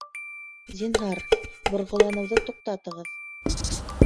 Зинһар, борғоланыуҙы туҡтатығыҙ!